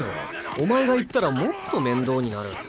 お前が行ったらもっと面倒になる。